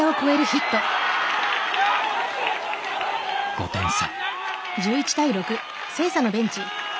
５点差。